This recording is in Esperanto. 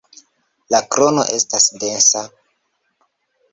La krono estas densa.